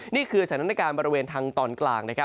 นี่คือสถานการณ์บริเวณทางตอนกลาง